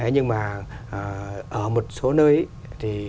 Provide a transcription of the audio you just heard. nhưng mà ở một số nơi